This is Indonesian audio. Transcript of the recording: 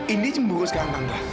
ini cemburu sekarang tante